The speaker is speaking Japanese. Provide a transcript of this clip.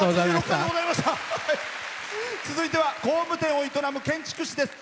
続いては工務店を営む建築士です。